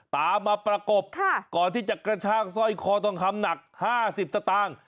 ตามมาประกบก่อนที่จะกระชากสร้อยคอทองคำหนัก๕๐สตางค์